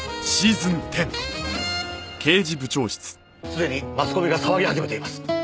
すでにマスコミが騒ぎ始めています。